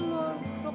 nunggu doang kok